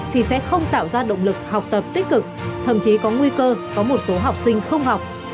thì sẽ không tạo ra động lực học tập tích cực thậm chí có nguy cơ có một số học sinh không học